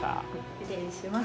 失礼します。